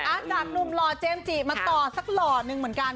จากหนุ่มหล่อเจมส์จิมาต่อสักหล่อนึงเหมือนกัน